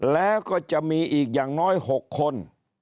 แล้วก็จะมีอีกอย่างน้อย๖คน